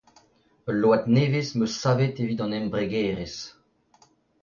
Ul load nevez 'm eus savet evit an embregerezh.